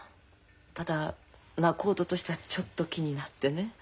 ただ仲人としてはちょっと気になってね。